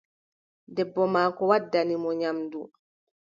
Debbo maako waddani mo nyamndu.